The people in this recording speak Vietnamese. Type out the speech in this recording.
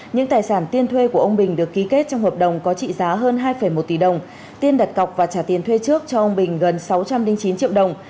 những tài sản tiên thuê của ông bình được ký kết trong hợp đồng có trị giá hơn hai một tỷ đồng tiên đặt cọc và trả tiền thuê trước cho ông bình gần sáu trăm linh chín triệu đồng